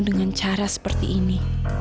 dengan cara seperti ini